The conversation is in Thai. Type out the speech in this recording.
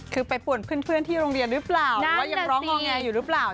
คือไปป่วนเพื่อนที่โรงเรียนหรือเปล่าหรือว่ายังร้องงอแงอยู่หรือเปล่า